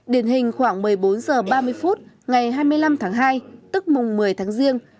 điển hình khoảng một mươi bốn h ba mươi phút ngày hai mươi năm tháng hai tức mùng một mươi tháng riêng